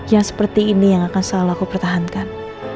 yang seperti ini yang akan selalu aku pertahankan